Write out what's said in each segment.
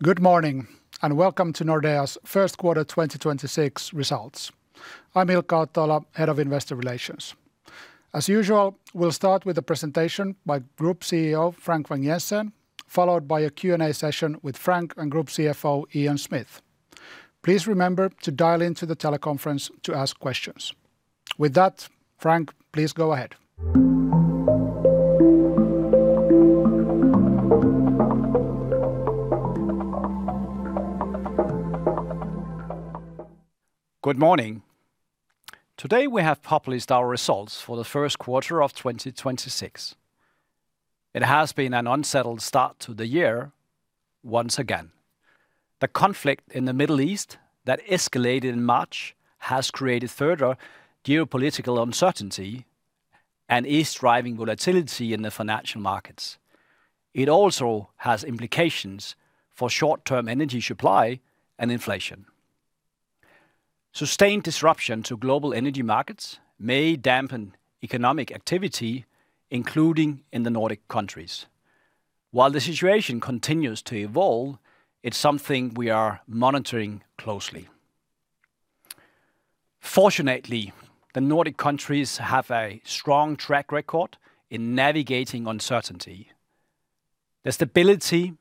Good morning, and welcome to Nordea's first quarter 2026 results. I'm Ilkka Ottoila, Head of Investor Relations. As usual, we'll start with a presentation by Group CEO Frank Vang-Jensen, followed by a Q&A session with Frank and Group CFO Ian Smith. Please remember to dial into the teleconference to ask questions. With that, Frank, please go ahead. Good morning. Today, we have published our results for the first quarter of 2026. It has been an unsettled start to the year once again. The conflict in the Middle East that escalated in March has created further geopolitical uncertainty and is driving volatility in the financial markets. It also has implications for short-term energy supply and inflation. Sustained disruption to global energy markets may dampen economic activity, including in the Nordic countries. While the situation continues to evolve, it's something we are monitoring closely. Fortunately, the Nordic countries have a strong track record in navigating uncertainty. The stability,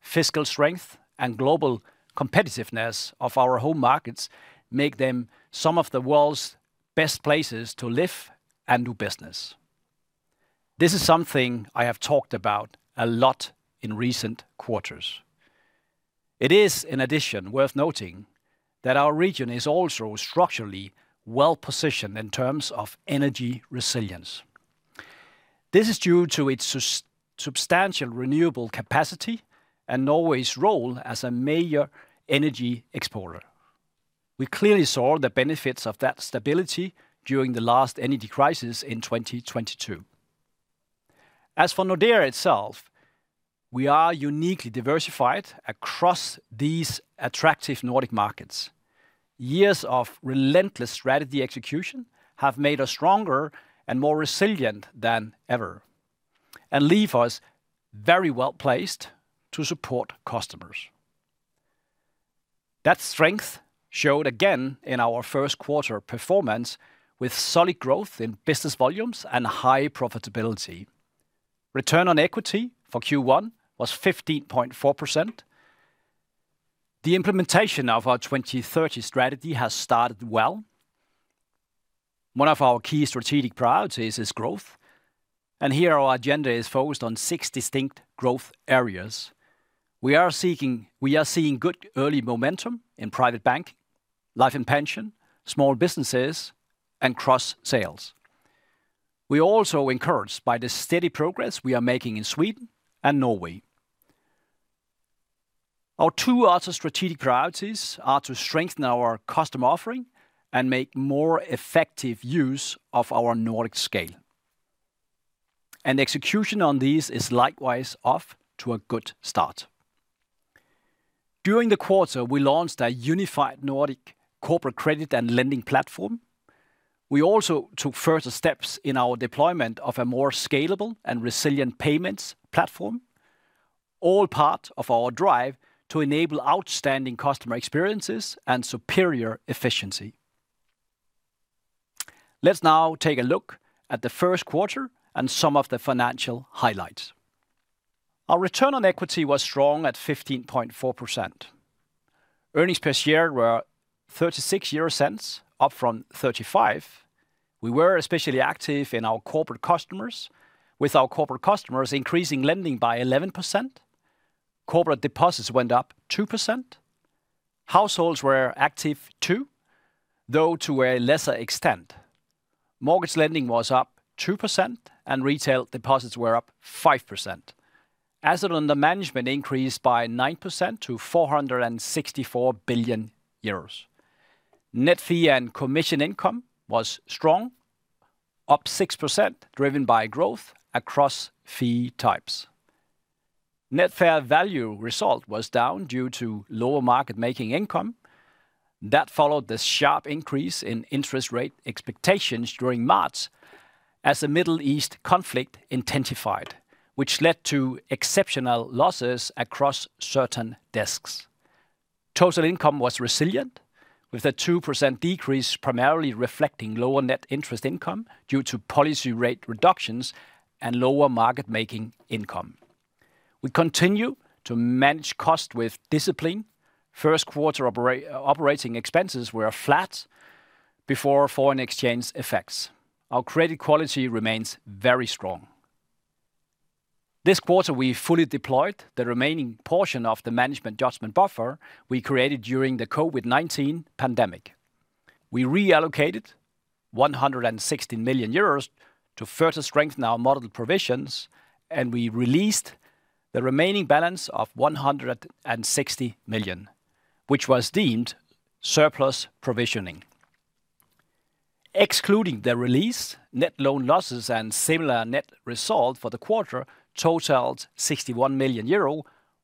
fiscal strength, and global competitiveness of our home markets make them some of the world's best places to live and do business. This is something I have talked about a lot in recent quarters. It is, in addition, worth noting that our region is also structurally well-positioned in terms of energy resilience. This is due to its substantial renewable capacity and Norway's role as a major energy exporter. We clearly saw the benefits of that stability during the last energy crisis in 2022. As for Nordea itself, we are uniquely diversified across these attractive Nordic markets. Years of relentless strategy execution have made us stronger and more resilient than ever and leave us very well placed to support customers. That strength showed again in our first quarter performance, with solid growth in business volumes and high profitability. Return on Equity for Q1 was 15.4%. The implementation of our 2030 strategy has started well. One of our key strategic priorities is growth, and here our agenda is focused on six distinct growth areas. We are seeing good early momentum in Private Banking, Life & Pensions, small businesses, and cross-sales. We are also encouraged by the steady progress we are making in Sweden and Norway. Our two other strategic priorities are to strengthen our customer offering and make more effective use of our Nordic scale. Execution on these is likewise off to a good start. During the quarter, we launched a unified Nordic corporate credit and lending platform. We also took further steps in our deployment of a more scalable and resilient payments platform, all part of our drive to enable outstanding customer experiences and superior efficiency. Let's now take a look at the first quarter and some of the financial highlights. Our Return on Equity was strong at 15.4%. Earnings per share were 0.36, up from 0.35. We were especially active in our corporate customers, with our corporate customers increasing lending by 11%. Corporate deposits went up 2%. Households were active too, though to a lesser extent. Mortgage lending was up 2% and retail deposits were up 5%. Assets under management increased by 9% to 464 billion euros. Net Fee and Commission Income was strong, up 6%, driven by growth across fee types. Net Fair Value Result was down due to lower market making income. That followed the sharp increase in interest rate expectations during March as the Middle East conflict intensified, which led to exceptional losses across certain desks. Total income was resilient, with a 2% decrease primarily reflecting lower Net Interest Income due to policy rate reductions and lower market making income. We continue to manage cost with discipline. First quarter operating expenses were flat before foreign exchange effects. Our credit quality remains very strong. This quarter, we fully deployed the remaining portion of the management judgment buffer we created during the COVID-19 pandemic. We reallocated 160 million euros to further strengthen our model provisions, and we released the remaining balance of 160 million, which was deemed surplus provisioning. Excluding the release, net loan losses and similar net result for the quarter totaled 61 million euro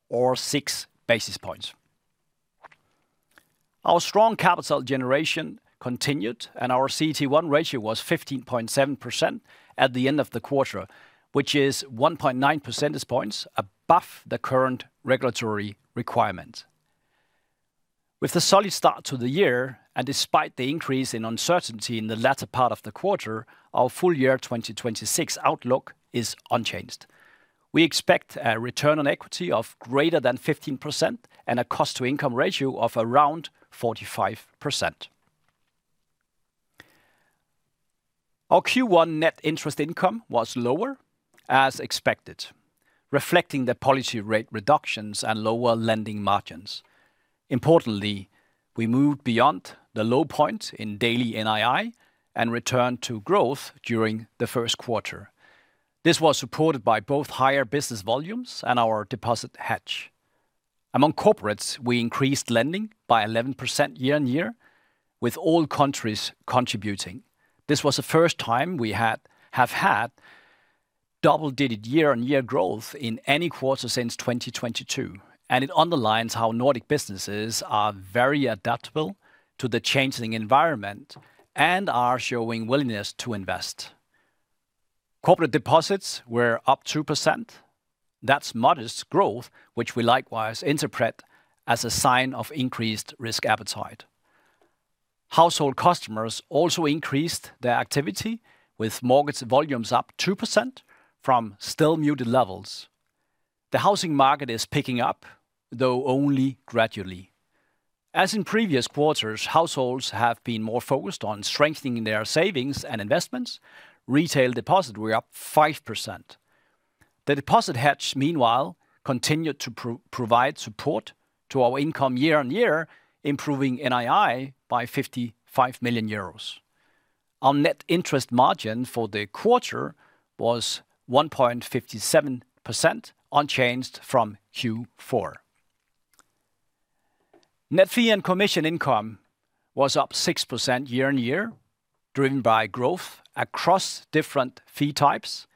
or six basis points. Our strong capital generation continued, and our CET1 ratio was 15.7% at the end of the quarter, which is 1.9 percentage points above the current regulatory requirement. With the solid start to the year, and despite the increase in uncertainty in the latter part of the quarter, our full year 2026 outlook is unchanged. We expect a return on equity of greater than 15% and a cost-to-income ratio of around 45%. Our Q1 Net Interest Income was lower as expected, reflecting the policy rate reductions and lower lending margins. Importantly, we moved beyond the low point in daily NII and returned to growth during the first quarter. This was supported by both higher business volumes and our deposit hedge. Among corporates, we increased lending by 11% year-on-year with all countries contributing. This was the first time we have had double-digit year-on-year growth in any quarter since 2022, and it underlines how Nordic businesses are very adaptable to the changing environment and are showing willingness to invest. Corporate deposits were up 2%. That's modest growth, which we likewise interpret as a sign of increased risk appetite. Household customers also increased their activity with mortgage volumes up 2% from still muted levels. The housing market is picking up, though only gradually. As in previous quarters, households have been more focused on strengthening their savings and investments. Retail deposits were up 5%. The deposit hedge, meanwhile, continued to provide support to our income year-on-year, improving NII by 55 million euros. Our net interest margin for the quarter was 1.57%, unchanged from Q4. Net fee and commission income was up 6% year-on-year, driven by growth across different fee types.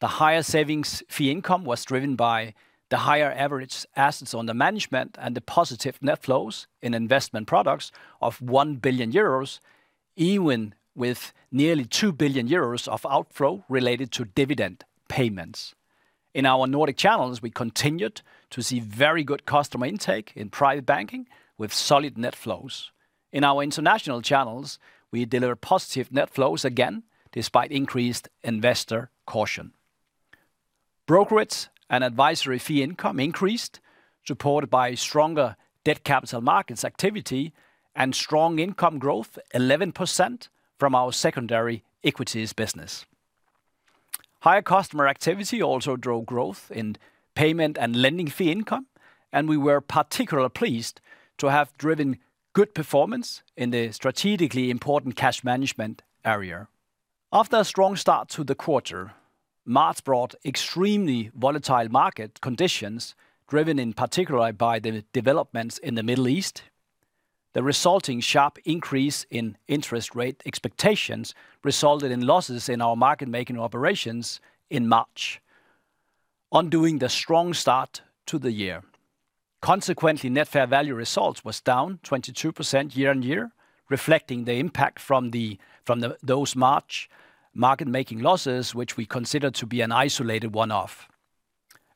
The higher savings fee income was driven by the higher average assets under management and the positive net flows in investment products of 1 billion euros, even with nearly 2 billion euros of outflow related to dividend payments. In our Nordic channels, we continued to see very good customer intake in private banking with solid net flows. In our international channels, we delivered positive net flows again despite increased investor caution. Brokerage and advisory fee income increased, supported by stronger Debt Capital Markets activity and strong income growth 11% from our secondary equities business. Higher customer activity also drove growth in payment and lending fee income, and we were particularly pleased to have driven good performance in the strategically important cash management area. After a strong start to the quarter, March brought extremely volatile market conditions, driven in particular by the developments in the Middle East. The resulting sharp increase in interest rate expectations resulted in losses in our market making operations in March, undoing the strong start to the year. Consequently, Net Fair Value Results was down 22% year-on-year, reflecting the impact from those March market making losses, which we consider to be an isolated one-off.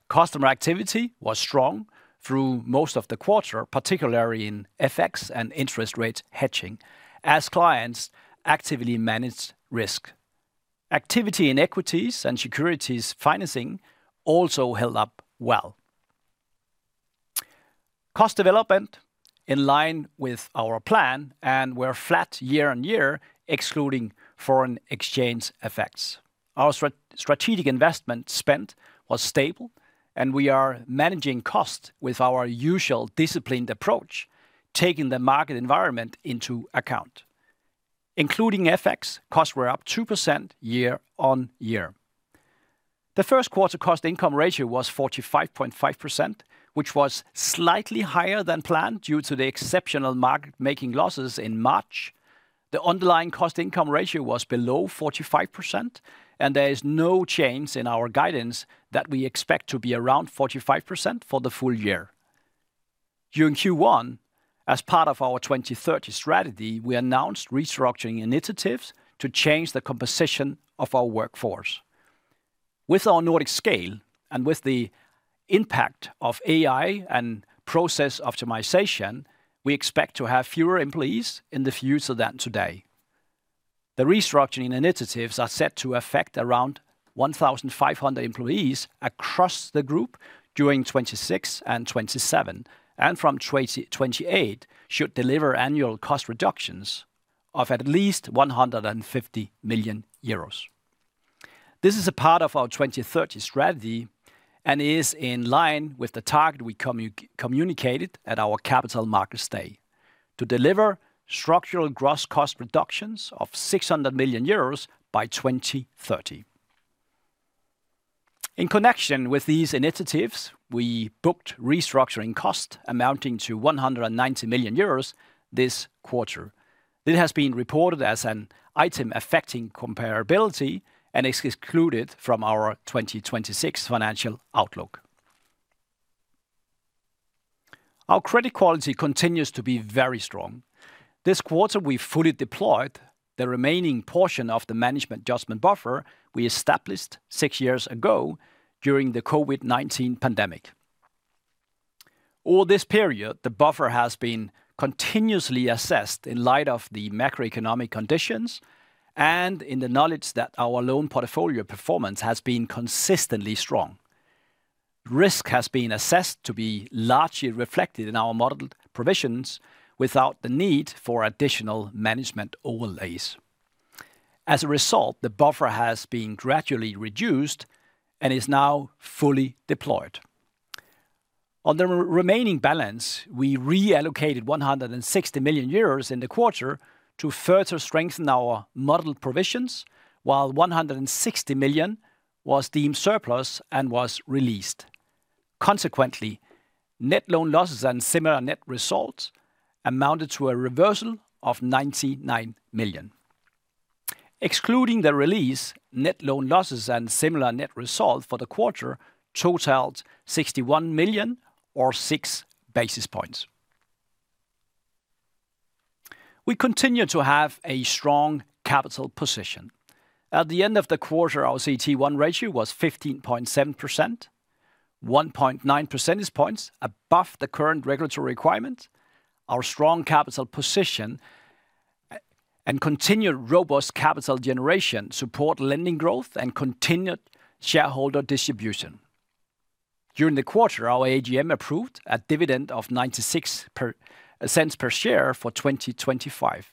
Customer activity was strong through most of the quarter, particularly in FX and interest rate hedging, as clients actively managed risk. Activity in equities and securities financing also held up well. Cost development in line with our plan, and we're flat year-on-year, excluding foreign exchange effects. Our strategic investment spend was stable, and we are managing costs with our usual disciplined approach, taking the market environment into account. Including FX, costs were up 2% year-on-year. The first quarter cost-income ratio was 45.5%, which was slightly higher than planned due to the exceptional market making losses in March. The underlying cost-income ratio was below 45%, and there is no change in our guidance that we expect to be around 45% for the full year. During Q1, as part of our 2030 strategy, we announced restructuring initiatives to change the composition of our workforce. With our Nordic scale and with the impact of AI and process optimization, we expect to have fewer employees in the future than today. The restructuring initiatives are set to affect around 1,500 employees across the group during 2026 and 2027, and from 2028 should deliver annual cost reductions of at least 150 million euros. This is a part of our 2030 strategy and is in line with the target we communicated at our Capital Markets Day to deliver structural gross cost reductions of 600 million euros by 2030. In connection with these initiatives, we booked restructuring costs amounting to 190 million euros this quarter. It has been reported as an item affecting comparability and is excluded from our 2026 financial outlook. Our credit quality continues to be very strong. This quarter, we fully deployed the remaining portion of the management judgment buffer we established six years ago during the COVID-19 pandemic. All this period, the buffer has been continuously assessed in light of the macroeconomic conditions, and in the knowledge that our loan portfolio performance has been consistently strong. Risk has been assessed to be largely reflected in our modeled provisions without the need for additional management overlays. As a result, the buffer has been gradually reduced and is now fully deployed. On the remaining balance, we reallocated 160 million euros in the quarter to further strengthen our modeled provisions, while 160 million was deemed surplus and was released. Consequently, net loan losses and similar net results amounted to a reversal of 99 million. Excluding the release, net loan losses and similar net results for the quarter totaled 61 million, or six basis points. We continue to have a strong capital position. At the end of the quarter, our CET1 ratio was 15.7%, 1.9 percentage points above the current regulatory requirement. Our strong capital position and continued robust capital generation support lending growth and continued shareholder distribution. During the quarter, our AGM approved a dividend of 0.96 per share for 2025,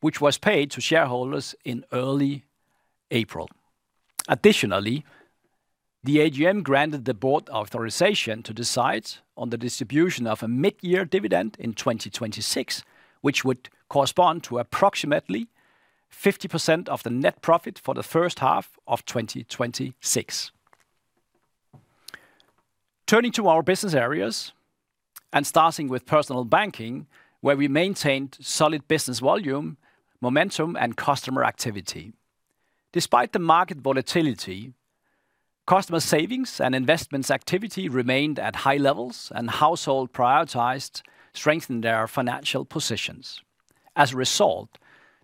which was paid to shareholders in early April. Additionally, the AGM granted the board authorization to decide on the distribution of a mid-year dividend in 2026, which would correspond to approximately 50% of the net profit for the first half of 2026. Turning to our business areas and starting with Personal Banking, where we maintained solid business volume, momentum, and customer activity. Despite the market volatility, customer savings and investments activity remained at high levels, and households prioritized strengthening their financial positions. As a result,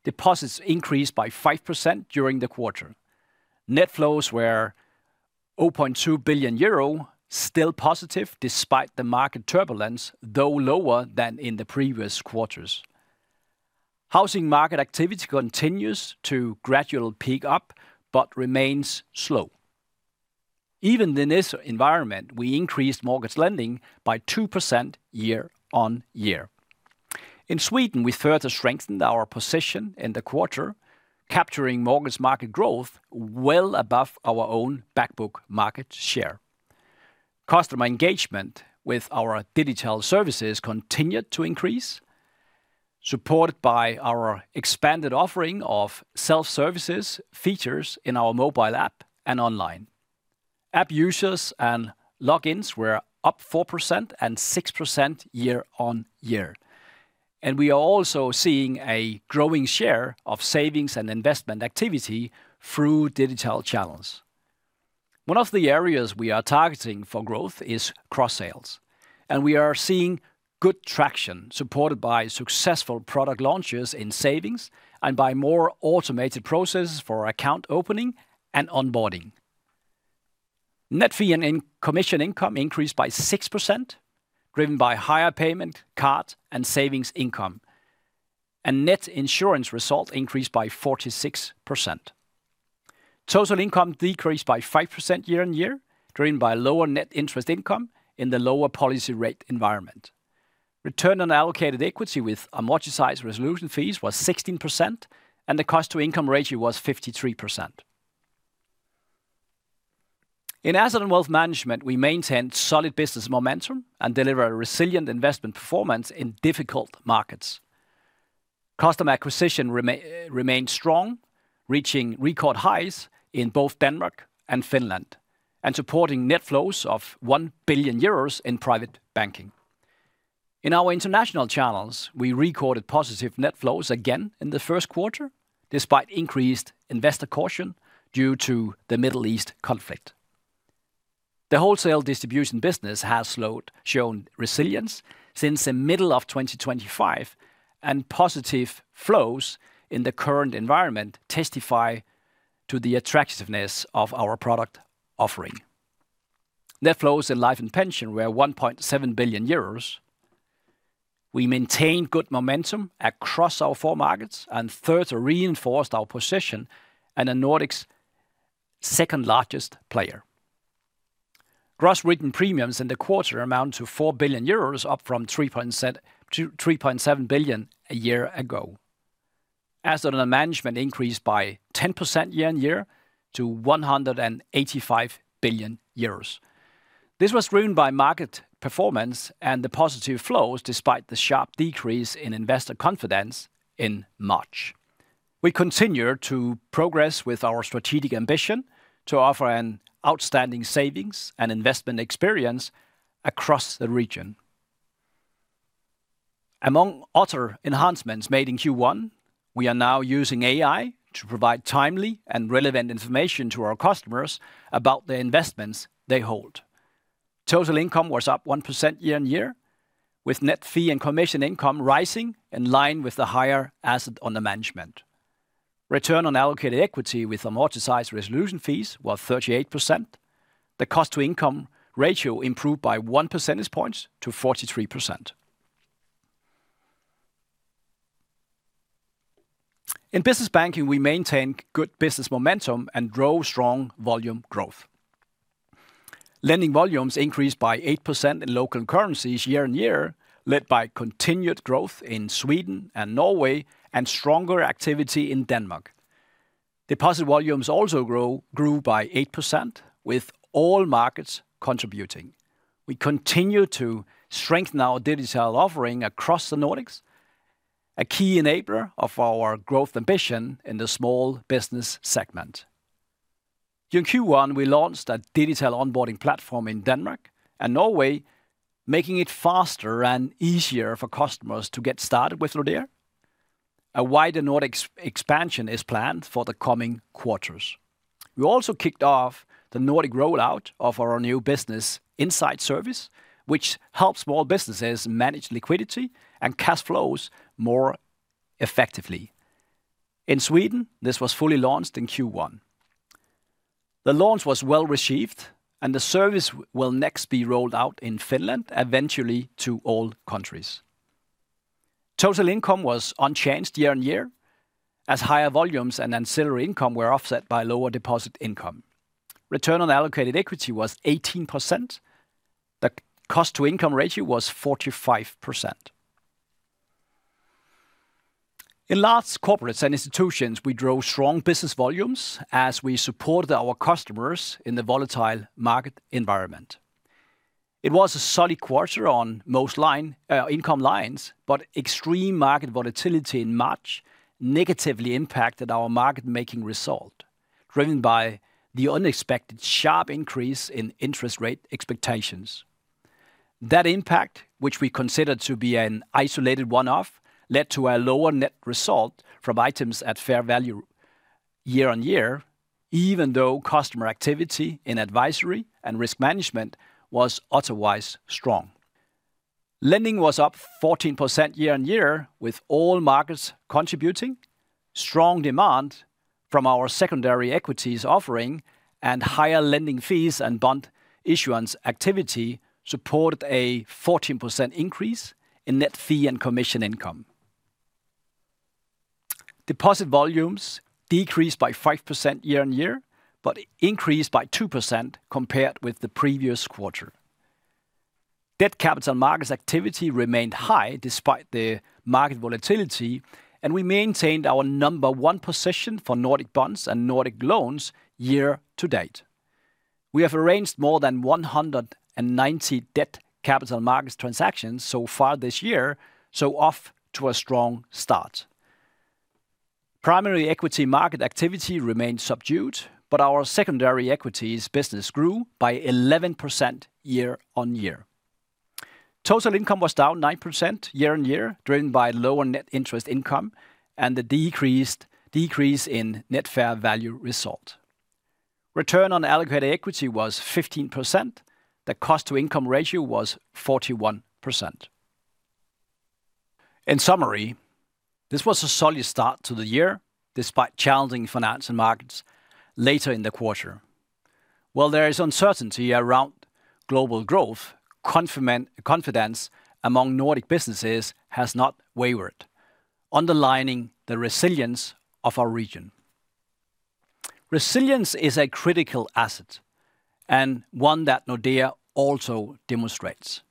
deposits increased by 5% during the quarter. Net flows were 0.2 billion euro, still positive despite the market turbulence, though lower than in the previous quarters. Housing market activity continues to gradually pick up, but remains slow. Even in this environment, we increased mortgage lending by 2% year-over-year. In Sweden, we further strengthened our position in the quarter, capturing mortgage market growth well above our own back book market share. Customer engagement with our digital services continued to increase, supported by our expanded offering of self-service features in our mobile app and online. App users and logins were up 4% and 6% year-over-year. We are also seeing a growing share of savings and investment activity through digital channels. One of the areas we are targeting for growth is cross-sales, and we are seeing good traction supported by successful product launches in savings and by more automated processes for account opening and onboarding. Net Fee and Commission Income increased by 6%, driven by higher payment, card, and savings income, and net insurance results increased by 46%. Total income decreased by 5% year-over-year, driven by lower net interest income in the lower policy rate environment. Return on allocated equity with amortized resolution fees was 16% and the cost-to-income ratio was 53%. In Asset & Wealth Management, we maintained solid business momentum and delivered a resilient investment performance in difficult markets. Customer acquisition remained strong, reaching record highs in both Denmark and Finland, and supporting net flows of 1 billion euros in Private Banking. In our international channels, we recorded positive net flows again in the first quarter, despite increased investor caution due to the Middle East conflict. The wholesale distribution business has shown resilience since the middle of 2025, and positive flows in the current environment testify to the attractiveness of our product offering. Net flows in life and pension were 1.7 billion euros. We maintained good momentum across our four markets and further reinforced our position as the second largest player in the Nordics. Gross written premiums in the quarter amount to 4 billion euros, up from 3.7 billion a year ago. Assets under management increased by 10% year-on-year to 185 billion euros. This was driven by market performance and the positive flows, despite the sharp decrease in investor confidence in March. We continue to progress with our strategic ambition to offer an outstanding savings and investment experience across the region. Among other enhancements made in Q1, we are now using AI to provide timely and relevant information to our customers about the investments they hold. Total income was up 1% year-on-year, with net fee and commission income rising in line with the higher assets under management. Return on allocated equity with amortized resolution fees was 38%. The cost-to-income ratio improved by one percentage point to 43%. In Business Banking, we maintain good business momentum and grow strong volume growth. Lending volumes increased by 8% in local currencies year-on-year, led by continued growth in Sweden and Norway and stronger activity in Denmark. Deposit volumes also grew by 8%, with all markets contributing. We continue to strengthen our digital offering across the Nordics, a key enabler of our growth ambition in the small business segment. During Q1, we launched a digital onboarding platform in Denmark and Norway, making it faster and easier for customers to get started with Nordea. A wider Nordics expansion is planned for the coming quarters. We also kicked off the Nordic rollout of our new business insight service, which helps small businesses manage liquidity and cash flows more effectively. In Sweden, this was fully launched in Q1. The launch was well received, and the service will next be rolled out in Finland, eventually to all countries. Total income was unchanged year-on-year, as higher volumes and ancillary income were offset by lower deposit income. Return on allocated equity was 18%. The cost-to-income ratio was 45%. In Large Corporates & Institutions, we drove strong business volumes as we supported our customers in the volatile market environment. It was a solid quarter on most income lines, but extreme market volatility in March negatively impacted our market making result, driven by the unexpected sharp increase in interest rate expectations. That impact, which we consider to be an isolated one-off, led to a lower net result from items at fair value year-over-year, even though customer activity in advisory and risk management was otherwise strong. Lending was up 14% year-over-year, with all markets contributing. Strong demand from our secondary equities offering and higher lending fees and bond issuance activity supported a 14% increase in net fee and commission income. Deposit volumes decreased by 5% year-over-year, but increased by 2% compared with the previous quarter. Debt capital markets activity remained high despite the market volatility, and we maintained our number one position for Nordic bonds and Nordic loans year to date. We have arranged more than 190 debt capital markets transactions so far this year, so off to a strong start. Primary equity market activity remained subdued, but our secondary equities business grew by 11% year-on-year. Total income was down 9% year-on-year, driven by lower net interest income and the decrease in Net Fair Value Result. Return on allocated equity was 15%. The cost-to-income ratio was 41%. In summary, this was a solid start to the year, despite challenging financial markets later in the quarter. While there is uncertainty around global growth, confidence among Nordic businesses has not wavered, underlining the resilience of our region. Resilience is a critical asset and one that Nordea also demonstrates.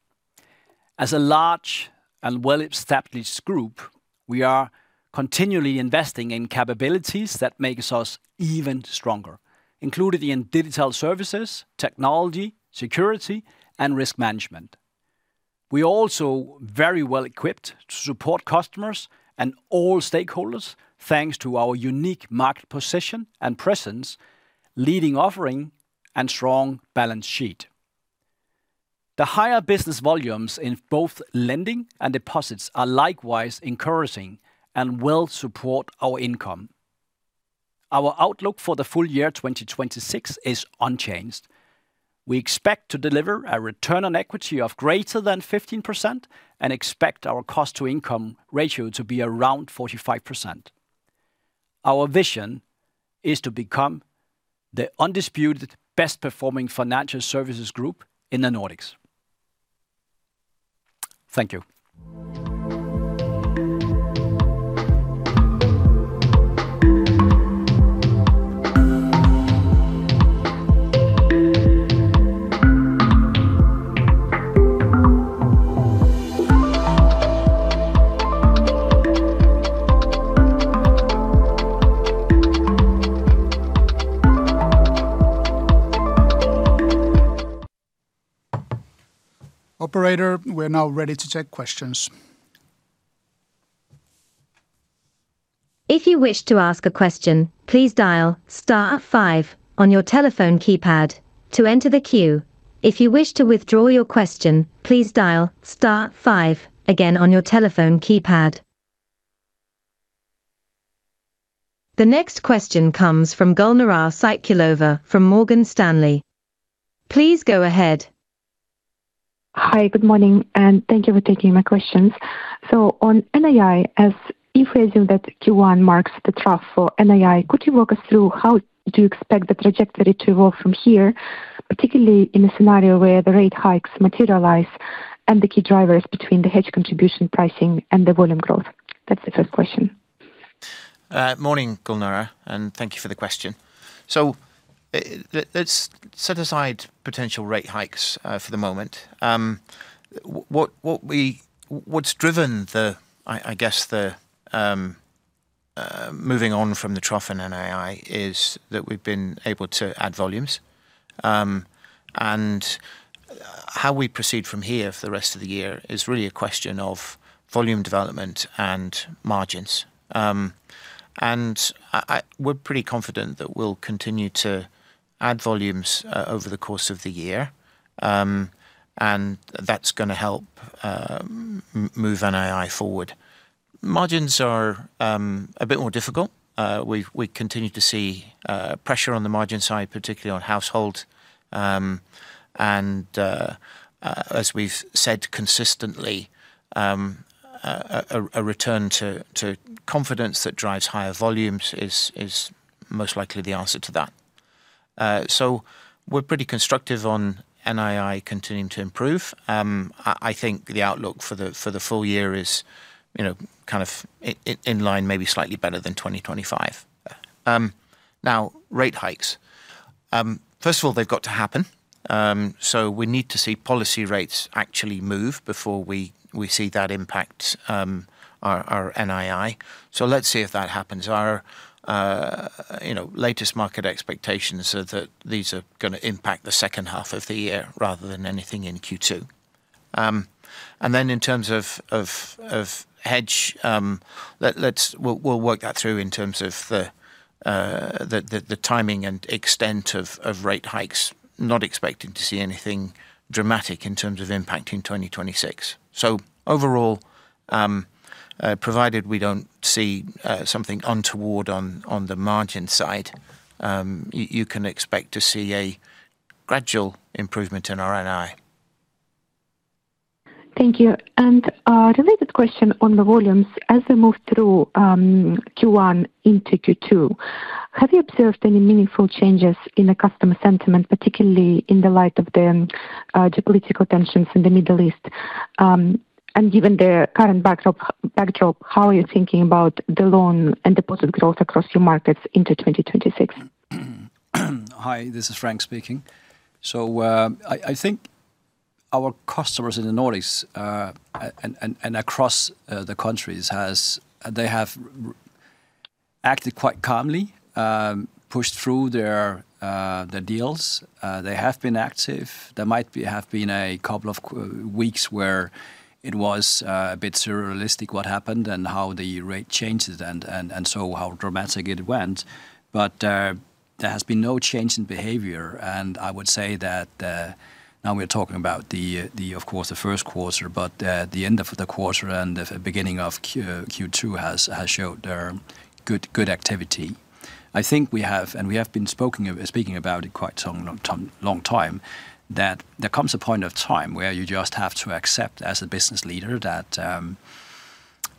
As a large and well-established group, we are continually investing in capabilities that makes us even stronger, including in digital services, technology, security, and risk management. We are also very well equipped to support customers and all stakeholders, thanks to our unique market position and presence, leading offering, and strong balance sheet. The higher business volumes in both lending and deposits are likewise encouraging and will support our income. Our outlook for the full year 2026 is unchanged. We expect to deliver a Return on Equity of greater than 15% and expect our cost-to-income ratio to be around 45%. Our vision is to become the undisputed best performing financial services group in the Nordics. Thank you. Operator, we're now ready to take questions. If you wish to ask a question, please dial star five on your telephone keypad to enter the queue. If you wish to withdraw your question, please dial star five again on your telephone keypad. The next question comes from Gulnara Saitkulova from Morgan Stanley. Please go ahead. Hi, good morning, and thank you for taking my questions. On NII, as if we assume that Q1 marks the trough for NII, could you walk us through how do you expect the trajectory to evolve from here, particularly in a scenario where the rate hikes materialize and the key drivers between the hedge contribution pricing and the volume growth? That's the first question. Morning, Gulnara, and thank you for the question. Let's set aside potential rate hikes for the moment. What's driven, I guess, the moving on from the trough in NII is that we've been able to add volumes. How we proceed from here for the rest of the year is really a question of volume development and margins. We're pretty confident that we'll continue to add volumes over the course of the year, and that's going to help move NII forward. Margins are a bit more difficult. We continue to see pressure on the margin side, particularly on household. As we've said consistently, a return to confidence that drives higher volumes is most likely the answer to that. We're pretty constructive on NII continuing to improve. I think the outlook for the full year is kind of in line, maybe slightly better than 2025. Now, rate hikes. First of all, they've got to happen. We need to see policy rates actually move before we see that impact our NII. Let's see if that happens. Our latest market expectations are that these are going to impact the second half of the year rather than anything in Q2. Then in terms of hedge, we'll work that through in terms of the timing and extent of rate hikes, not expecting to see anything dramatic in terms of impact in 2026. Overall, provided we don't see something untoward on the margin side, you can expect to see a gradual improvement in our NII. Thank you. A related question on the volumes. As we move through Q1 into Q2, have you observed any meaningful changes in the customer sentiment, particularly in the light of the geopolitical tensions in the Middle East? Given the current backdrop, how are you thinking about the loan and deposit growth across your markets into 2026? Hi, this is Frank speaking. I think our customers in the Nordics and across the countries, they have acted quite calmly, pushed through their deals. They have been active. There might have been a couple of weeks where it was a bit surrealistic what happened and how the rate changes and so how dramatic it went. There has been no change in behavior. I would say that now we're talking about, of course, the first quarter, but the end of the quarter and the beginning of Q2 has showed good activity. I think we have, and we have been speaking about it quite some long time, that there comes a point of time where you just have to accept as a business leader that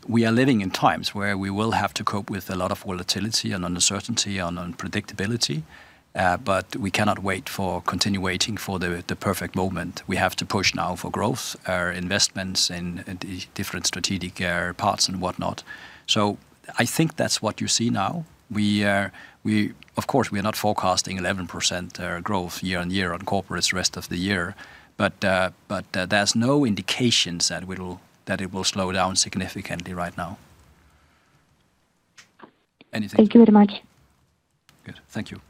we are living in times where we will have to cope with a lot of volatility and uncertainty and unpredictability, but we cannot continue waiting for the perfect moment. We have to push now for growth, our investments in different strategic parts and whatnot. I think that's what you see now. Of course, we are not forecasting 11% growth year-on-year on corporates the rest of the year, but there's no indications that it will slow down significantly right now. Anything- Thank you very much. Good. Thank you.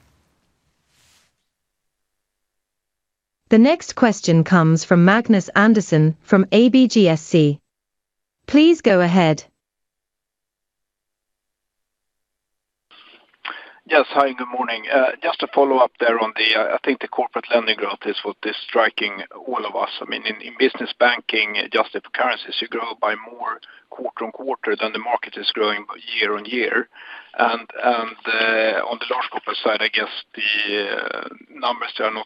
The next question comes from Magnus Andersson from ABGSC. Please go ahead. Yes. Hi, and good morning. Just to follow up there on the, I think the corporate lending growth is what is striking all of us. In Business Banking, adjusted for currencies, you grow by more quarter-on-quarter than the market is growing year-on-year. On the Large Corporates side, I guess the numbers there are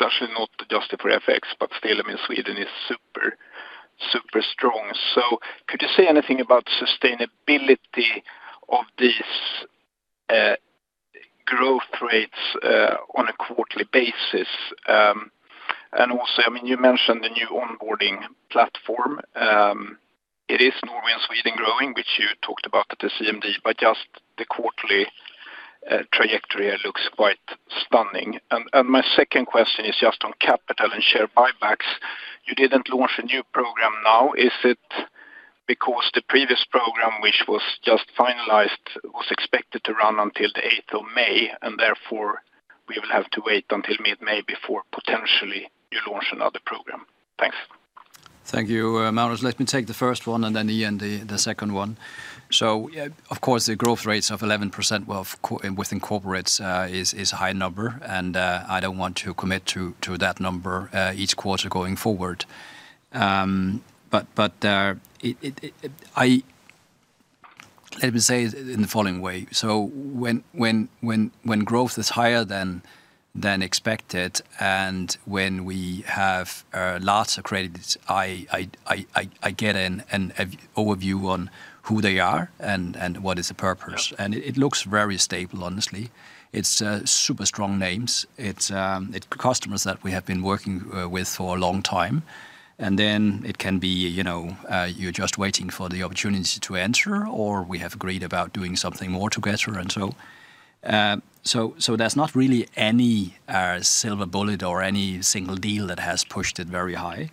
actually not adjusted for FX, but still, Sweden is super strong. Could you say anything about sustainability of these growth rates on a quarterly basis? Also, you mentioned the new onboarding platform. It is Norway and Sweden growing, which you talked about at the CMD, and just the quarterly trajectory looks quite stunning. My second question is just on capital and share buybacks. You didn't launch a new program now. Is it because the previous program, which was just finalized, was expected to run until the 8th of May, and therefore we will have to wait until mid-May before potentially you launch another program? Thanks. Thank you, Magnus. Let me take the first one and then Ian, the second one. Of course, the growth rates of 11% within corporates is a high number and I don't want to commit to that number each quarter going forward. Let me say it in the following way. When growth is higher than expected and when we have lots of credits, I get an overview on who they are and what is the purpose. Yeah. It looks very stable, honestly. It's super strong names. It's customers that we have been working with for a long time. It can be, you're just waiting for the opportunity to enter, or we have agreed about doing something more together. There's not really any silver bullet or any single deal that has pushed it very high.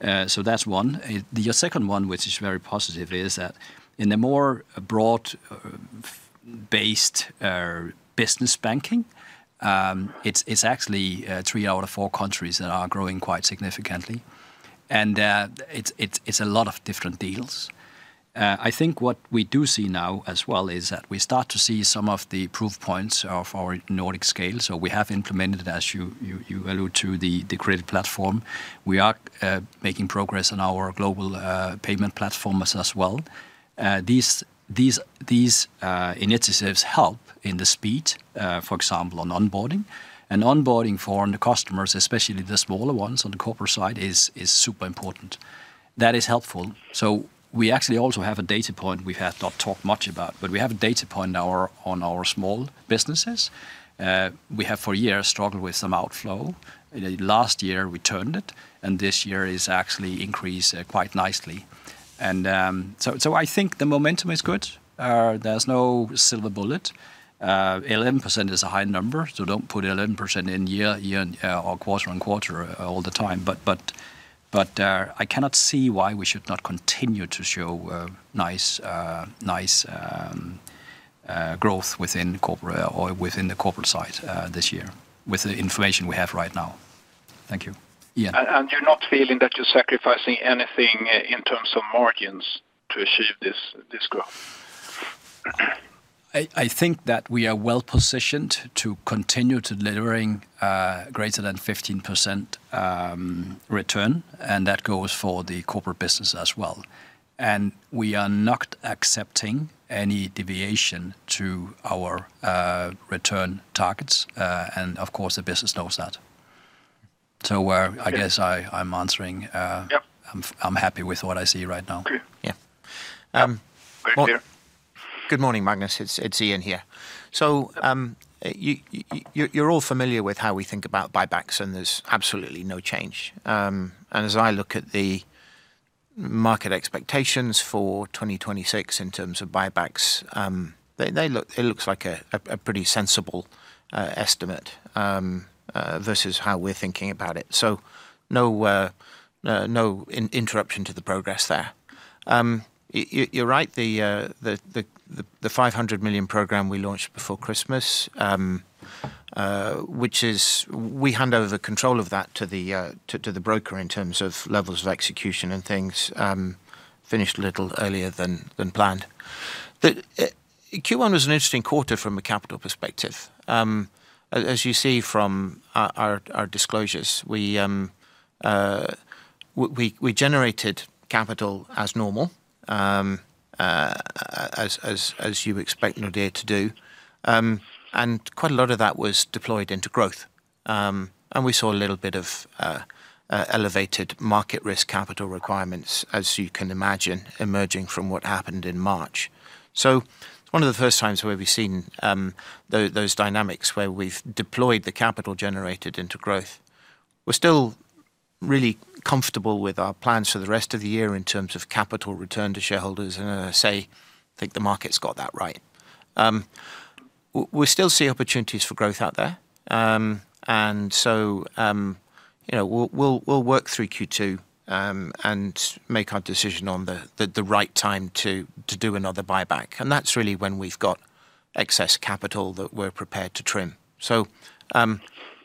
That's one. Your second one, which is very positive, is that in the more broad-based Business Banking, it's actually three out of four countries that are growing quite significantly. It's a lot of different deals. I think what we do see now as well is that we start to see some of the proof points of our Nordic scale. We have implemented, as you allude to, the credit platform. We are making progress on our global payment platforms as well. These initiatives help in the speed, for example, on onboarding. Onboarding for the customers, especially the smaller ones on the corporate side, is super important. That is helpful. We actually also have a data point we have not talked much about, but we have a data point on our small businesses. We have for years struggled with some outflow. Last year we turned it, and this year is actually increased quite nicely. I think the momentum is good. There's no silver bullet. 11% is a high number, so don't put 11% in year-on-year or quarter-on-quarter all the time, but I cannot see why we should not continue to show nice growth within the corporate side this year with the information we have right now. Thank you. Ian. You're not feeling that you're sacrificing anything in terms of margins to achieve this growth? I think that we are well positioned to continue to delivering greater than 15% return, and that goes for the corporate business as well. We are not accepting any deviation to our return targets. Of course, the business knows that. I guess I'm answering. Yep I'm happy with what I see right now. Okay. Yeah. Great to hear. Good morning, Magnus. It's Ian here. You're all familiar with how we think about buybacks, and there's absolutely no change. As I look at the market expectations for 2026 in terms of buybacks, it looks like a pretty sensible estimate versus how we're thinking about it. No interruption to the progress there. You're right, the 500 million program we launched before Christmas, which is we hand over the control of that to the broker in terms of levels of execution and things, finished a little earlier than planned. Q1 was an interesting quarter from a capital perspective. As you see from our disclosures, we generated capital as normal, as you would expect Nordea to do. Quite a lot of that was deployed into growth. We saw a little bit of elevated market risk capital requirements, as you can imagine, emerging from what happened in March. One of the first times where we've seen those dynamics where we've deployed the capital generated into growth. We're still really comfortable with our plans for the rest of the year in terms of capital return to shareholders, and I say, I think the market's got that right. We still see opportunities for growth out there. We'll work through Q2 and make our decision on the right time to do another buyback. That's really when we've got excess capital that we're prepared to trim.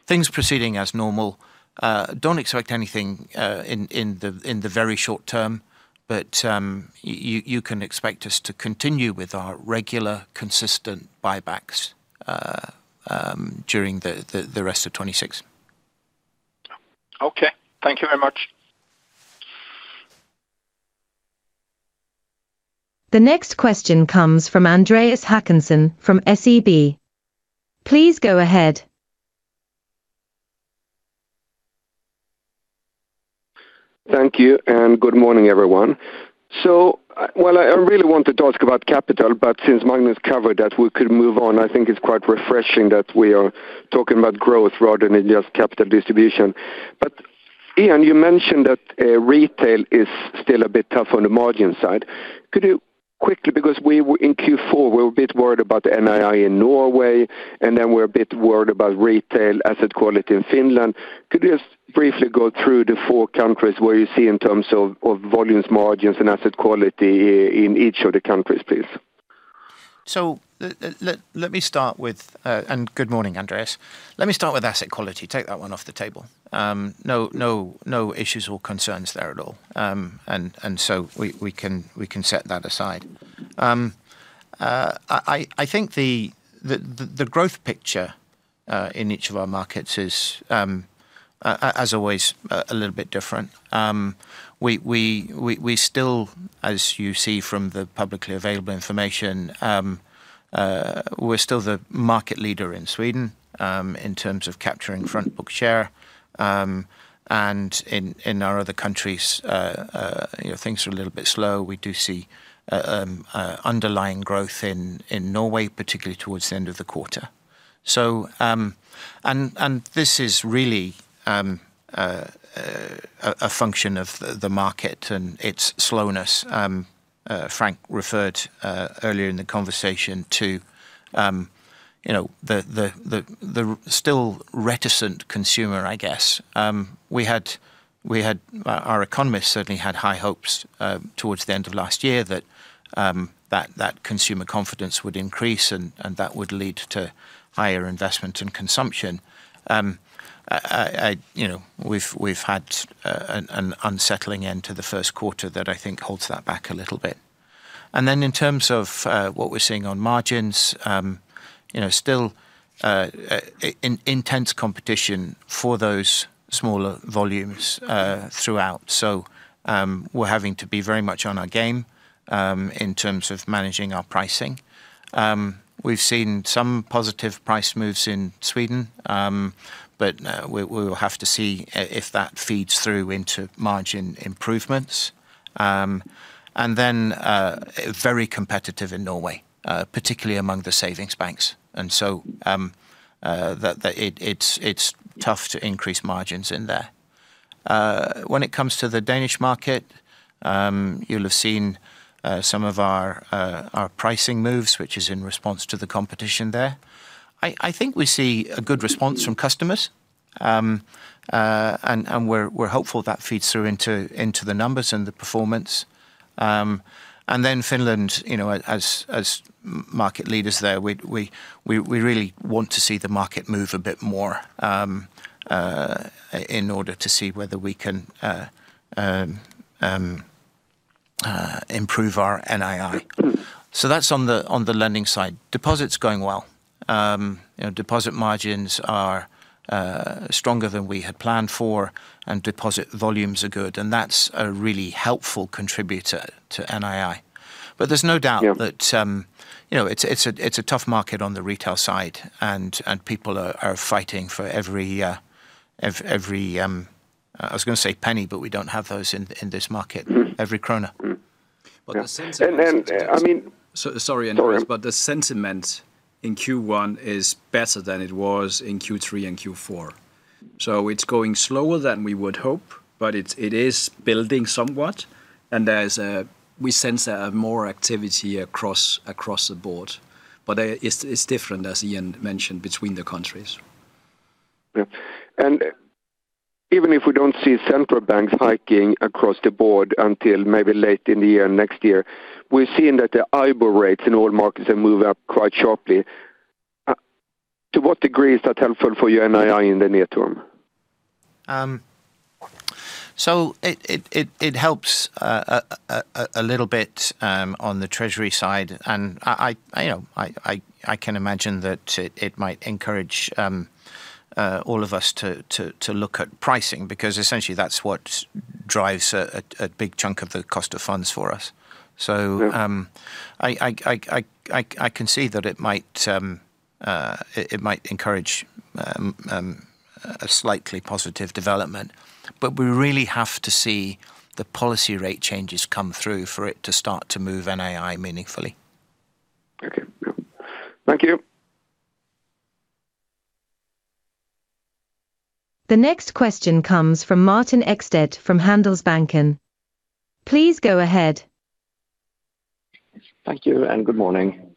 Things proceeding as normal. Don't expect anything in the very short term. You can expect us to continue with our regular consistent buybacks during the rest of 2026. Okay. Thank you very much. The next question comes from Andreas Håkansson from SEB. Please go ahead. Thank you, and good morning, everyone. Well, I really want to talk about capital, but since Magnus covered that, we could move on. I think it's quite refreshing that we are talking about growth rather than just capital distribution. Ian, you mentioned that retail is still a bit tough on the margin side. Could you quickly, because in Q4, we're a bit worried about NII in Norway, and then we're a bit worried about retail asset quality in Finland. Could you just briefly go through the four countries where you see in terms of volumes, margins, and asset quality in each of the countries, please? Good morning, Andreas. Let me start with asset quality, take that one off the table. No issues or concerns there at all. We can set that aside. I think the growth picture, in each of our markets is, as always, a little bit different. We still, as you see from the publicly available information, we're still the market leader in Sweden, in terms of capturing front book share. In our other countries, things are a little bit slow. We do see underlying growth in Norway, particularly towards the end of the quarter. This is really a function of the market and its slowness. Frank referred earlier in the conversation to the still reticent consumer, I guess. Our economists certainly had high hopes towards the end of last year that consumer confidence would increase and that would lead to higher investment and consumption. We've had an unsettling end to the first quarter that I think holds that back a little bit. In terms of what we're seeing on margins, still intense competition for those smaller volumes throughout. We're having to be very much on our game, in terms of managing our pricing. We've seen some positive price moves in Sweden. We will have to see if that feeds through into margin improvements. Very competitive in Norway, particularly among the savings banks. It's tough to increase margins in there. When it comes to the Danish market, you'll have seen some of our pricing moves, which is in response to the competition there. I think we see a good response from customers. We're hopeful that feeds through into the numbers and the performance. Finland, as market leaders there, we really want to see the market move a bit more in order to see whether we can improve our NII. That's on the lending side. Deposit's going well. Deposit margins are stronger than we had planned for, and deposit volumes are good, and that's a really helpful contributor to NII. There's no doubt that it's a tough market on the retail side, and people are fighting for every, I was going to say penny, but we don't have those in this market. Every krona. The sentiment. I mean. Sorry, Andreas, but the sentiment in Q1 is better than it was in Q3 and Q4. It's going slower than we would hope, but it is building somewhat, and we sense more activity across the board. It's different, as Ian mentioned, between the countries. Yeah. Even if we don't see central banks hiking across the board until maybe late in the year, next year, we're seeing that the IBOR rates in all markets have moved up quite sharply. To what degree is that helpful for your NII in the near term? It helps a little bit on the treasury side, and I can imagine that it might encourage all of us to look at pricing, because essentially that's what drives a big chunk of the cost of funds for us. Yeah I can see that it might encourage a slightly positive development. We really have to see the policy rate changes come through for it to start to move NII meaningfully. Okay. Yeah. Thank you. The next question comes from Martin Ekstedt from Handelsbanken. Please go ahead. Thank you and good morning.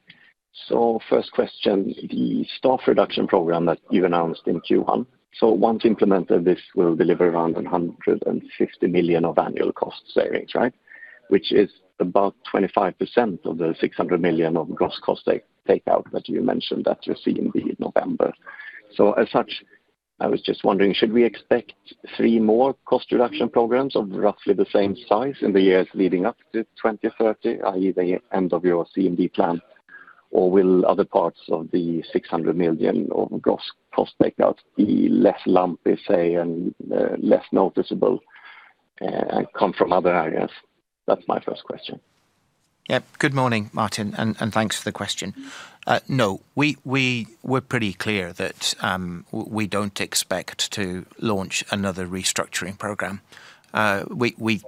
First question, the staff reduction program that you announced in Q1. Once implemented, this will deliver around 150 million of annual cost savings, right? Which is about 25% of the 600 million of gross cost takeout that you mentioned that you'll see in the November. As such, I was just wondering, should we expect three more cost reduction programs of roughly the same size in the years leading up to 2030, i.e. the end of your CMD plan? Or will other parts of the 600 million of gross cost takeout be less lumpy, say, and less noticeable, and come from other areas? That's my first question. Yep. Good morning, Martin, and thanks for the question. No. We're pretty clear that we don't expect to launch another restructuring program. We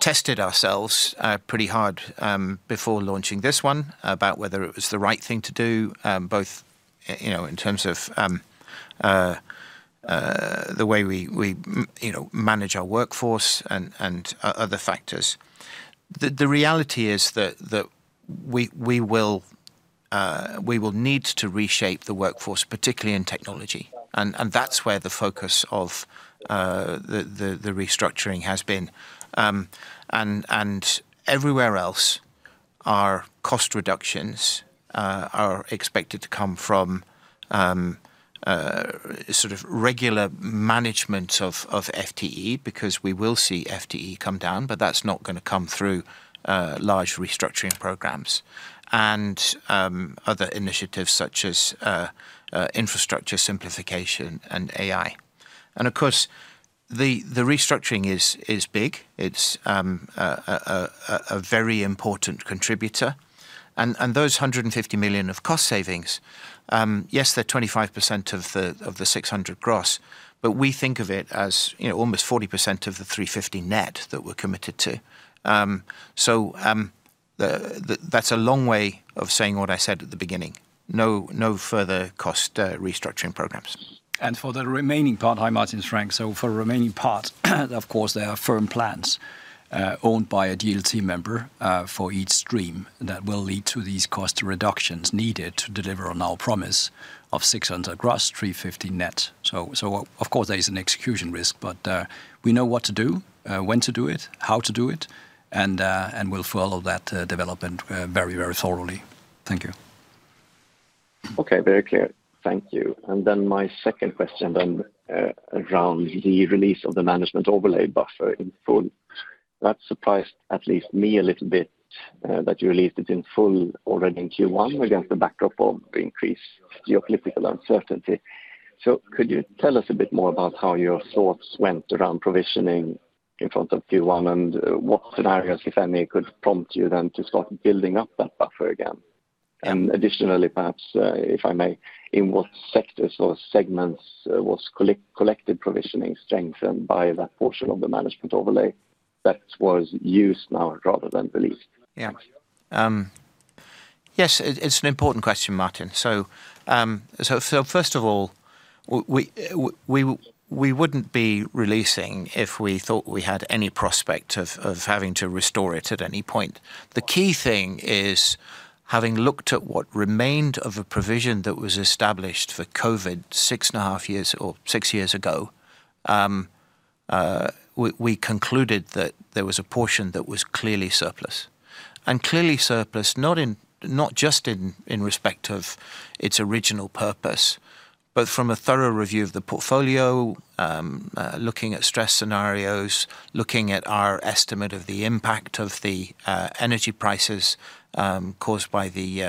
tested ourselves pretty hard before launching this one about whether it was the right thing to do, both in terms of the way we manage our workforce and other factors. The reality is that we will need to reshape the workforce, particularly in technology. That's where the focus of the restructuring has been. Everywhere else, our cost reductions are expected to come from regular management of FTE, because we will see FTE come down, but that's not going to come through large restructuring programs. Other initiatives such as infrastructure simplification and AI. Of course, the restructuring is big. It's a very important contributor. Those 150 million of cost savings, yes, they're 25% of the 600 million gross, but we think of it as almost 40% of the 350 million net that we're committed to. That's a long way of saying what I said at the beginning. No further cost restructuring programs. For the remaining part, hi Martin, it's Frank. For remaining part, of course, there are firm plans owned by a DL team member for each stream that will lead to these cost reductions needed to deliver on our promise of 600 gross, 350 net. Of course there is an execution risk, but we know what to do, when to do it, how to do it, and we'll follow that development very thoroughly. Thank you. Okay, very clear. Thank you. My second question then around the release of the management overlay buffer in full. That surprised, at least me, a little bit, that you released it in full already in Q1 against the backdrop of increased geopolitical uncertainty. Could you tell us a bit more about how your thoughts went around provisioning in front of Q1, and what scenarios, if any, could prompt you then to start building up that buffer again? Additionally, perhaps, if I may, in what sectors or segments was collective provisioning strengthened by that portion of the management overlay that was used now rather than released? Yeah. Yes, it's an important question, Martin. First of all, we wouldn't be releasing if we thought we had any prospect of having to restore it at any point. The key thing is, having looked at what remained of a provision that was established for COVID six and a half years or six years ago, we concluded that there was a portion that was clearly surplus. Clearly surplus, not just in respect of its original purpose, but from a thorough review of the portfolio, looking at stress scenarios, looking at our estimate of the impact of the energy prices caused by the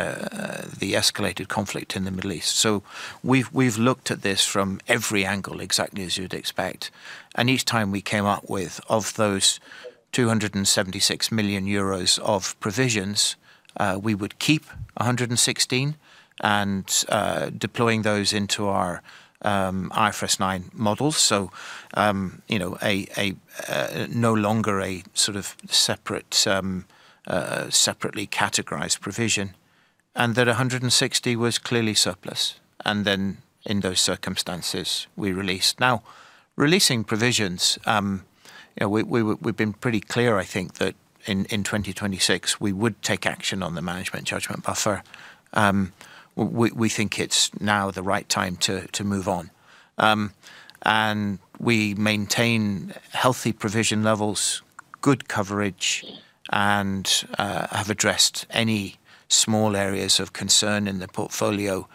escalated conflict in the Middle East. We've looked at this from every angle, exactly as you'd expect. Each time we came up with, of those 276 million euros of provisions, we would keep 116 million and deploying those into our IFRS nine models. No longer a separately categorized provision. That 160 was clearly surplus. In those circumstances, we released. Now, releasing provisions, we've been pretty clear, I think, that in 2026 we would take action on the management judgment buffer. We think it's now the right time to move on. We maintain healthy provision levels, good coverage, and have addressed any small areas of concern in the portfolio.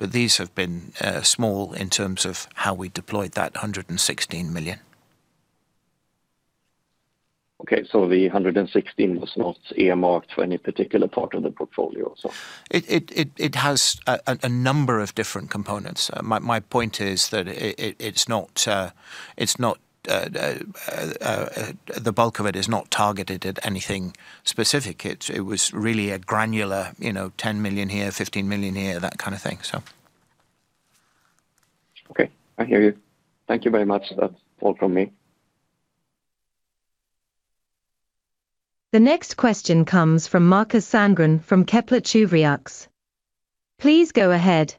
These have been small in terms of how we deployed that 116 million. Okay, the 116 was not earmarked for any particular part of the portfolio? It has a number of different components. My point is that the bulk of it is not targeted at anything specific. It was really a granular, 10 million here, 15 million here, that kind of thing. Okay. I hear you. Thank you very much. That's all from me. The next question comes from Markus Sandgren from Kepler Cheuvreux. Please go ahead.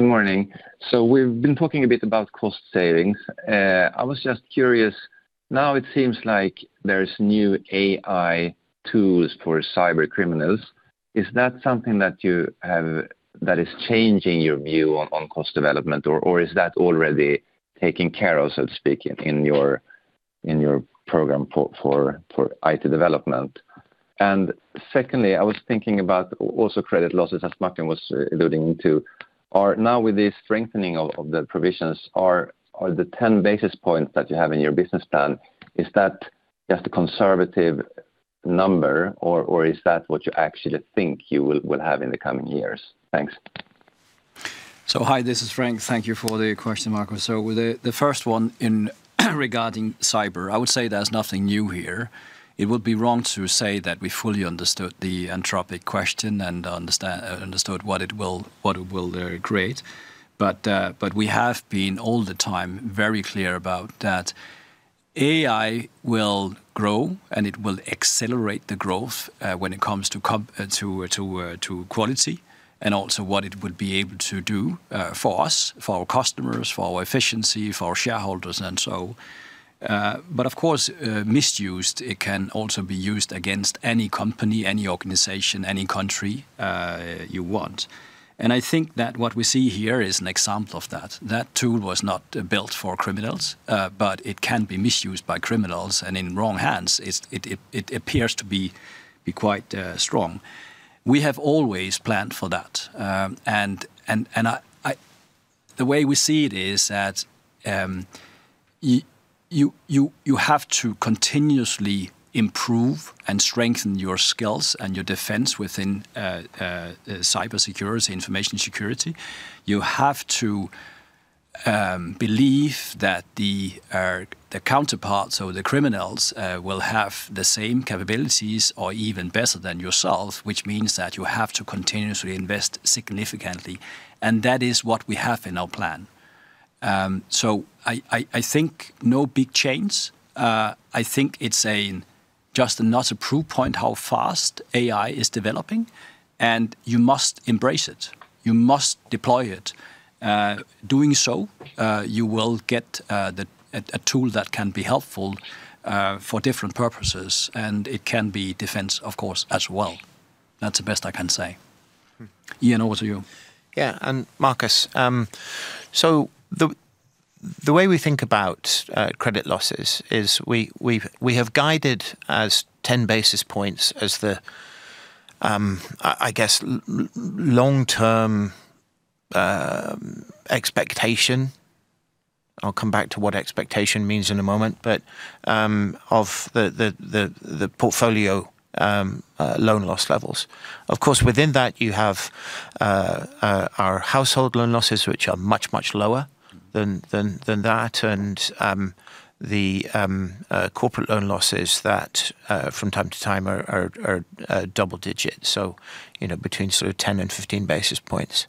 Good morning. We've been talking a bit about cost savings. I was just curious, now it seems like there is new AI tools for cyber criminals. Is that something that is changing your view on cost development, or is that already taken care of, so to speak, in your program for IT development? Secondly, I was thinking about also credit losses, as Martin was alluding to. Now with the strengthening of the provisions, are the 10 basis points that you have in your business plan, is that just a conservative number or is that what you actually think you will have in the coming years? Thanks. Hi, this is Frank. Thank you for the question, Markus. With the first one regarding cyber, I would say there's nothing new here. It would be wrong to say that we fully understood the Anthropic question and understood what it will create. But we have been, all the time, very clear about that AI will grow, and it will accelerate the growth when it comes to quality and also what it would be able to do for us, for our customers, for our efficiency, for our shareholders and so. But of course, misused, it can also be used against any company, any organization, any country you want. And I think that what we see here is an example of that. That tool was not built for criminals, but it can be misused by criminals, and in wrong hands, it appears to be quite strong. We have always planned for that. The way we see it is that you have to continuously improve and strengthen your skills and your defense within cyber security, information security. You have to believe that the counterparts or the criminals will have the same capabilities or even better than yourself, which means that you have to continuously invest significantly, and that is what we have in our plan. I think no big change. I think it's just another proof point how fast AI is developing, and you must embrace it. You must deploy it. Doing so, you will get a tool that can be helpful for different purposes, and it can be defense, of course, as well. That's the best I can say. Ian, over to you. Yeah, Markus, the way we think about credit losses is we have guided to 10 basis points as the, I guess, long-term expectation for the portfolio loan loss levels. I'll come back to what expectation means in a moment. Of course, within that you have our household loan losses, which are much, much lower than that, and the corporate loan losses that from time to time are double digit, so between sort of 10 and 15 basis points.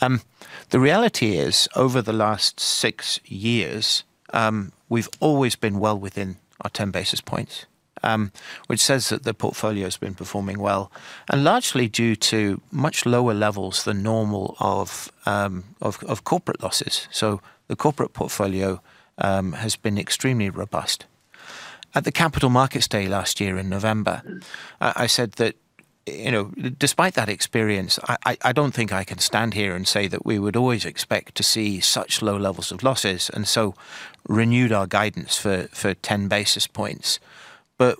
The reality is, over the last six years, we've always been well within our 10 basis points, which says that the portfolio has been performing well. Largely due to much lower levels than normal of corporate losses, so the corporate portfolio has been extremely robust. At the Capital Markets Day last year in November, I said that despite that experience, I don't think I can stand here and say that we would always expect to see such low levels of losses, and so renewed our guidance for 10 basis points.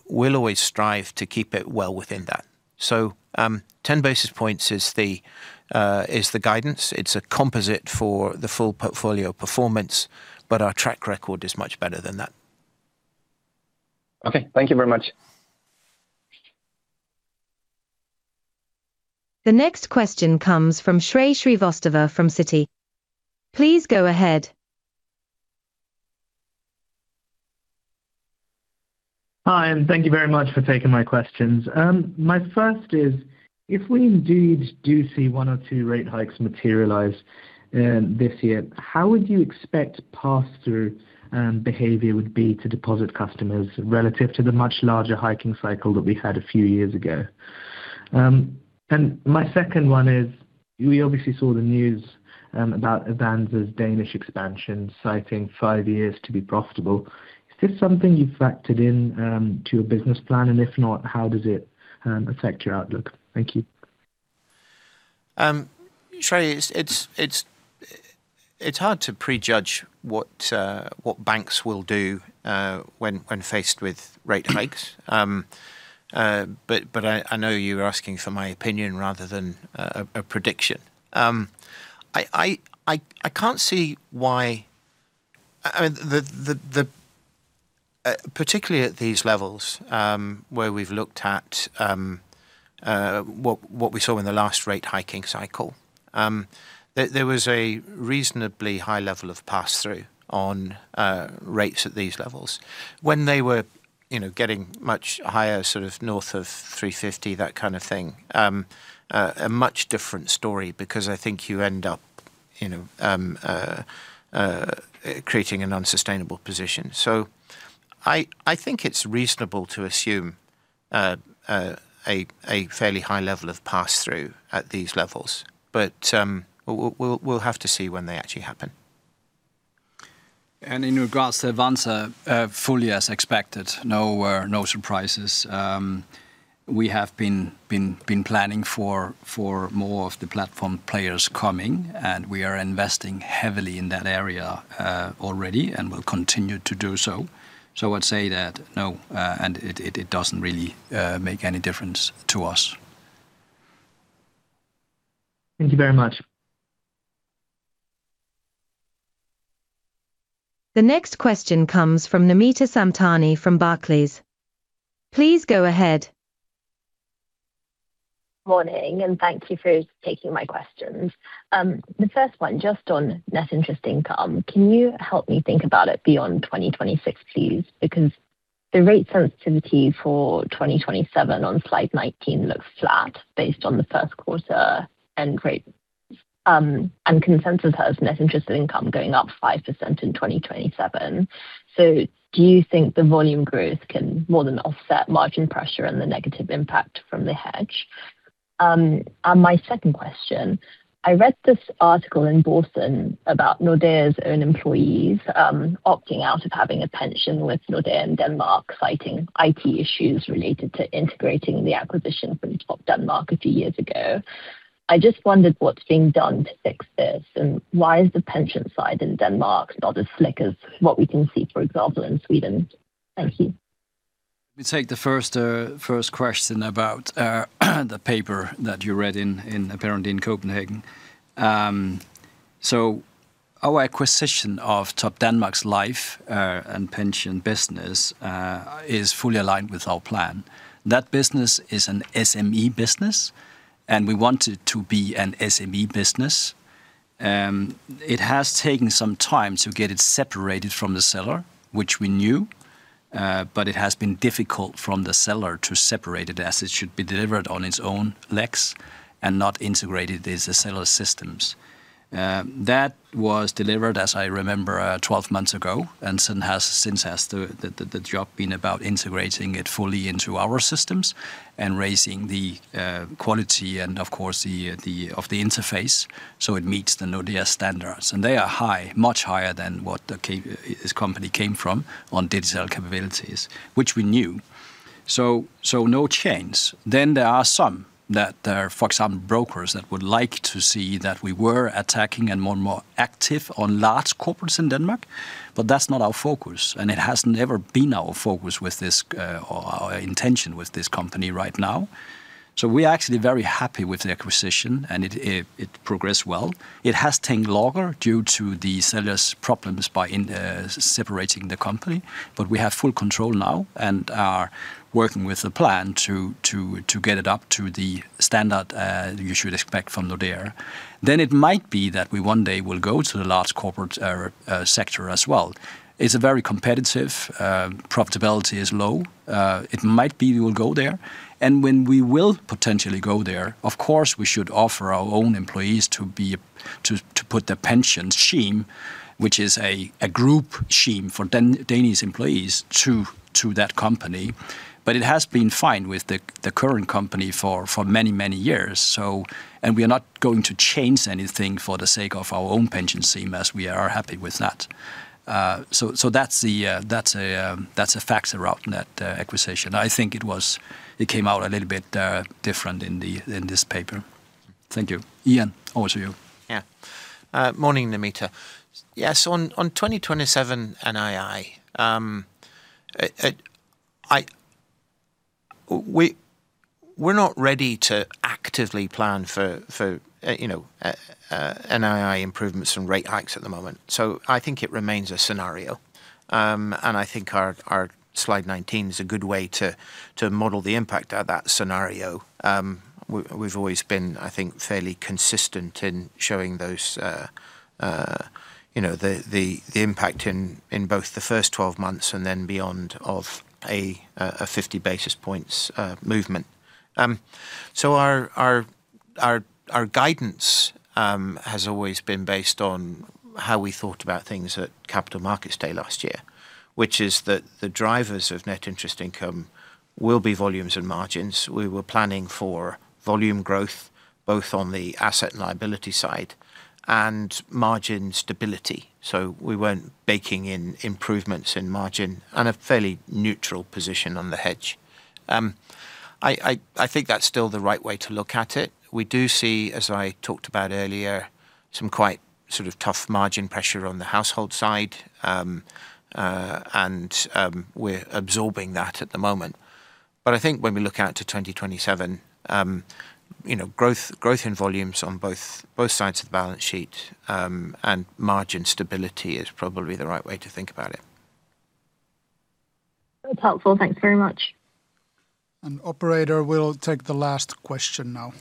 We'll always strive to keep it well within that. 10 basis points is the guidance. It's a composite for the full portfolio performance, but our track record is much better than that. Okay. Thank you very much. The next question comes from Shrey Srivastava from Citi. Please go ahead. Hi, and thank you very much for taking my questions. My first is, if we indeed do see one or two rate hikes materialize this year, how would you expect pass-through behavior would be to deposit customers relative to the much larger hiking cycle that we had a few years ago? My second one is, we obviously saw the news about Avanza's Danish expansion citing five years to be profitable. Is this something you've factored in to your business plan? If not, how does it affect your outlook? Thank you. Shrey, it's hard to prejudge what banks will do when faced with rate hikes. I know you're asking for my opinion rather than a prediction. I can't see why, particularly at these levels, where we've looked at what we saw in the last rate hiking cycle. There was a reasonably high level of pass-through on rates at these levels. When they were getting much higher, sort of north of 350, that kind of thing, a much different story, because I think you end up creating an unsustainable position. I think it's reasonable to assume a fairly high level of pass-through at these levels. We'll have to see when they actually happen. In regards to Avanza, fully as expected, no surprises. We have been planning for more of the platform players coming, and we are investing heavily in that area already, and will continue to do so. I'd say that no, and it doesn't really make any difference to us. Thank you very much. The next question comes from Namita Samtani from Barclays. Please go ahead. Morning, thank you for taking my questions. The first one, just on Net Interest Income. Can you help me think about it beyond 2026, please? Because The rate sensitivity for 2027 on slide 19 looks flat based on the first quarter end rate, and consensus has net interest income going up 5% in 2027. Do you think the volume growth can more than offset margin pressure and the negative impact from the hedge? My second question, I read this article in Børsen about Nordea's own employees opting out of having a pension with Nordea in Denmark, citing IT issues related to integrating the acquisition from Topdanmark a few years ago. I just wondered what's being done to fix this, and why is the pension side in Denmark not as slick as what we can see, for example, in Sweden? Thank you. Let me take the first question about the paper that you read apparently in Copenhagen. Our acquisition of Topdanmark's life and pension business is fully aligned with our plan. That business is an SME business, and we want it to be an SME business. It has taken some time to get it separated from the seller, which we knew. It has been difficult from the seller to separate it as it should be delivered on its own legs and not integrated with the seller's systems. That was delivered, as I remember, 12 months ago, and since has the job been about integrating it fully into our systems and raising the quality and of course of the interface so it meets the Nordea standards. They are high, much higher than what this company came from on digital capabilities, which we knew. No change. There are some that are, for example, brokers that would like to see that we were attacking and more and more active on large corporates in Denmark. That's not our focus, and it has never been our focus or our intention with this company right now. We are actually very happy with the acquisition, and it progressed well. It has taken longer due to the seller's problems by separating the company, but we have full control now and are working with a plan to get it up to the standard you should expect from Nordea. It might be that we one day will go to the large corporate sector as well. It's very competitive. Profitability is low. It might be we will go there. When we will potentially go there, of course, we should offer our own employees to put their pension scheme, which is a group scheme for Danish employees, to that company. It has been fine with the current company for many, many years. We are not going to change anything for the sake of our own pension scheme, as we are happy with that. That's the facts around that acquisition. I think it came out a little bit different in this paper. Thank you. Ian, over to you. Yeah. Morning, Namita. Yeah, on 2027 NII, we're not ready to actively plan for NII improvements and rate hikes at the moment. I think it remains a scenario, and I think our slide 19 is a good way to model the impact of that scenario. We've always been, I think, fairly consistent in showing the impact in both the first 12 months and then beyond of a 50 basis points movement. Our guidance has always been based on how we thought about things at Capital Markets Day last year, which is that the drivers of Net Interest Income will be volumes and margins. We were planning for volume growth, both on the asset and liability side, and margin stability. We weren't baking in improvements in margin and a fairly neutral position on the hedge. I think that's still the right way to look at it. We do see, as I talked about earlier, some quite sort of tough margin pressure on the household side, and we're absorbing that at the moment. I think when we look out to 2027, growth in volumes on both sides of the balance sheet, and margin stability is probably the right way to think about it. That's helpful. Thanks very much. Operator, we'll take the last question now.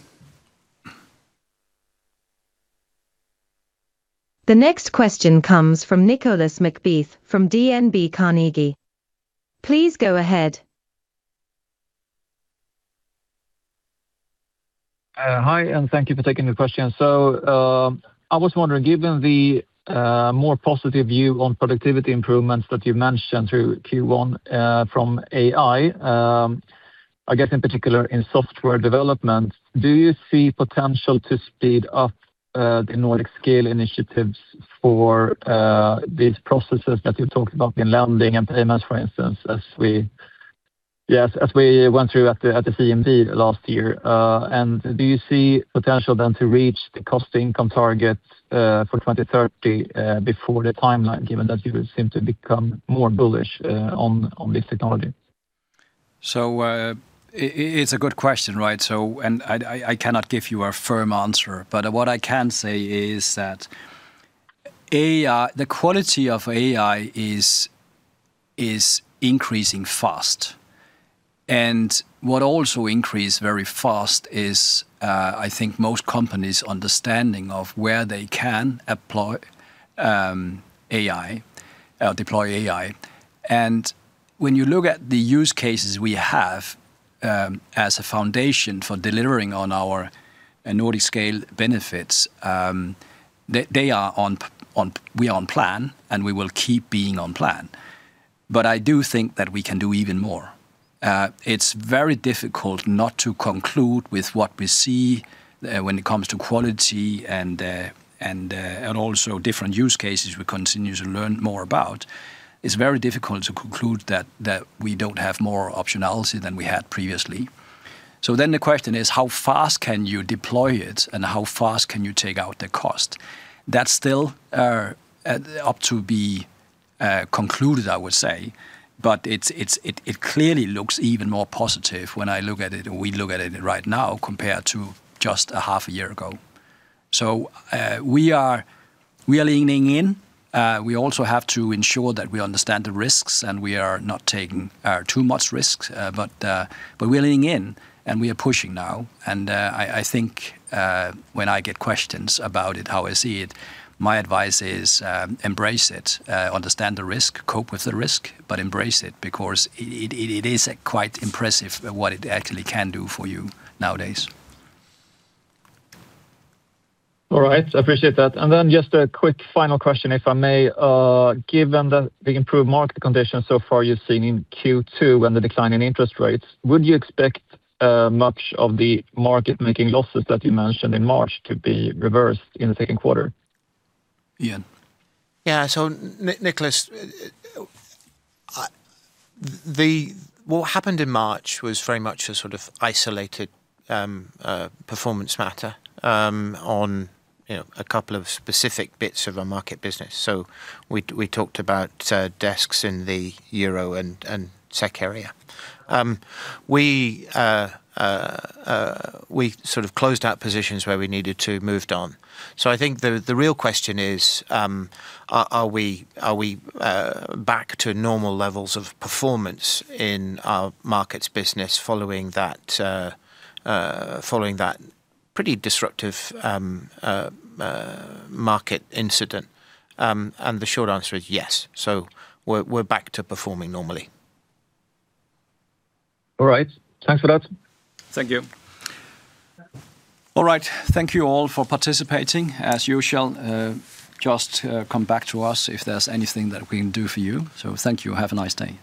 The next question comes from Nicolas McBeath from DNB Carnegie. Please go ahead. Hi, and thank you for taking the question. I was wondering, given the more positive view on productivity improvements that you've mentioned through Q1 from AI, I guess in particular in software development, do you see potential to speed up the Nordic Scale initiatives for these processes that you talked about in lending and payments, for instance, as we went through at the CMD last year. Do you see potential then to reach the cost-income targets for 2030, before the timeline, given that you would seem to become more bullish on this technology? It's a good question, right? I cannot give you a firm answer, but what I can say is that the quality of AI is increasing fast. What also increased very fast is, I think most companies' understanding of where they can deploy AI. When you look at the use cases we have as a foundation for delivering on our Nordic scale benefits, we are on plan, and we will keep being on plan. I do think that we can do even more. It's very difficult not to conclude with what we see when it comes to quality and also different use cases we continue to learn more about. It's very difficult to conclude that we don't have more optionality than we had previously. The question is, how fast can you deploy it and how fast can you take out the cost? That's still up to be concluded, I would say, but it clearly looks even more positive when we look at it right now compared to just a half a year ago. We are leaning in. We also have to ensure that we understand the risks and we are not taking too much risks. We're leaning in and we are pushing now, and I think when I get questions about it, how I see it, my advice is embrace it, understand the risk, cope with the risk, but embrace it because it is quite impressive what it actually can do for you nowadays. All right. Appreciate that. Just a quick final question if I may. Given the improved market conditions so far you've seen in Q2 and the decline in interest rates, would you expect much of the market making losses that you mentioned in March to be reversed in the second quarter? Ian? Yeah. Nicolas, what happened in March was very much a sort of isolated performance matter on a couple of specific bits of our market business. We talked about desks in the euro and SEK area. We sort of closed out positions where we needed to, moved on. I think the real question is, are we back to normal levels of performance in our markets business following that pretty disruptive market incident? The short answer is yes. We're back to performing normally. All right. Thanks for that. Thank you. All right. Thank you all for participating. As usual, just come back to us if there's anything that we can do for you. Thank you. Have a nice day.